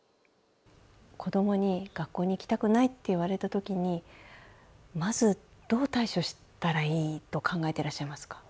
子供に学校に行きたくないと言われた時にまずどう対処したらいいと考えていらっしゃいますか。